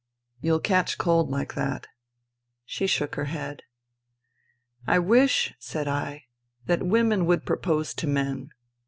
" Youll catch cold like that." She shook her head. " I wish," said I, " that women would propose to men.